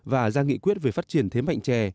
và ra nghị quyết về phát triển thế mạnh trè